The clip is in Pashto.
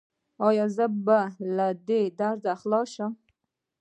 ایا زه به له دې درده خلاص شم؟